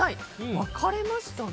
分かれましたね。